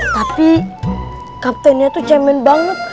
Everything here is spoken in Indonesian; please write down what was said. tapi kaptennya tuh cemen banget